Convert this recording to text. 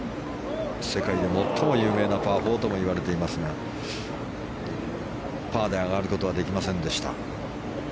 世界で最も有名なパー４ともいわれていますがパーで上がることはできませんでした。